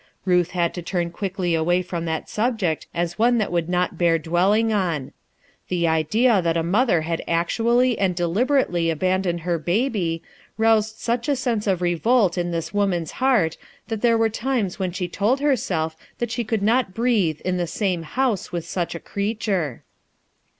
Ruth had to turn quickly away from that subject m one that would not bear dwelling on. The idea that a mother had actually and deliberately aban doned her baby, roused such a sense of revolt in this woman's heart that there were times when she told herself that she could not breathe in the same house with such a creature.